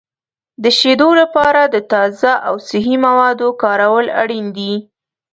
د شیدو لپاره د تازه او صحي موادو کارول اړین دي.